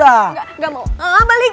ieh kaya orang